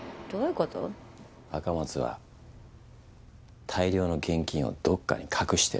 赤松は大量の現金をどっかに隠してる。